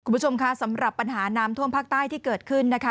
คุณผู้ชมคะสำหรับปัญหาน้ำท่วมภาคใต้ที่เกิดขึ้นนะคะ